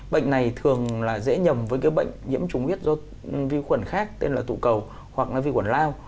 bệnh này thường là dễ nhầm với cái bệnh nhiễm trùng huyết do vi khuẩn khác tên là tụ cầu hoặc là vi khuẩn lao